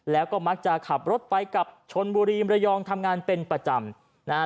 แล้วก็มักจะขับรถไปกับชนบุรีมรยองทำงานเป็นประจำนะฮะ